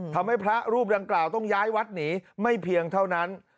พระรูปดังกล่าวต้องย้ายวัดหนีไม่เพียงเท่านั้น